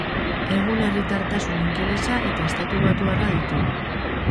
Egun herritartasun ingelesa eta estatubatuarra ditu.